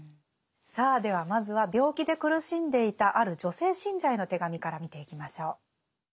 さあではまずは病気で苦しんでいたある女性信者への手紙から見ていきましょう。